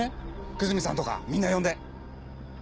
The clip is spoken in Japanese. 久住さんとかみんな呼んで！